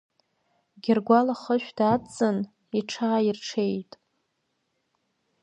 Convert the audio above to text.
Гьыргәал ахышә даадҵын, иҽааирҽеит.